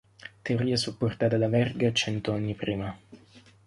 Teoria supportata da Verga cento anni prima.